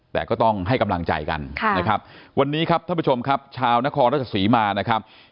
แต่ก็ต้องให้กำลังใจกันนะครับวันนี้ครับท่านผู้ชมครับชาวนครราชศรีมานะครับ